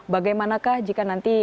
bagaimanakah jika nanti